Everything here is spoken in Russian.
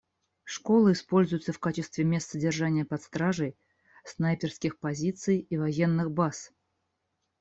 Школы используются в качестве мест содержания под стражей, снайперских позиций и военных баз.